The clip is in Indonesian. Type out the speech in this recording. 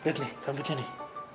lihat nih rambutnya nih